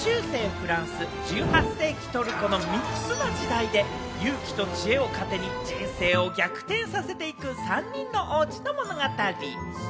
フランス、１８世紀トルコの３つの時代で勇気と知恵を糧に人生を逆転させていく３人の王子の物語。